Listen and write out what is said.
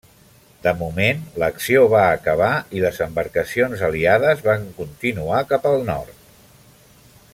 De moment, l'acció va acabar i les embarcacions aliades va continuar cap al nord.